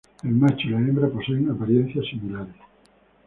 El macho y la hembra poseen apariencias similares.